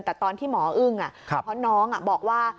แต่ตอนที่หมออึ้งเพราะน้องบอกว่า